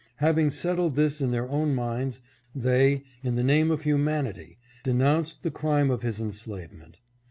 Having settled this in their own minds, they, in the name of humanity, denounced the crime of his en slavement.